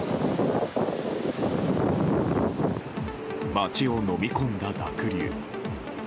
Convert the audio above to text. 街をのみ込んだ濁流。